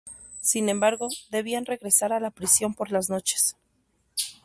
Sin embargo, debían regresar a la prisión por las noches.